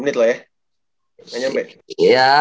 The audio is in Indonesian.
sepuluh menit lah ya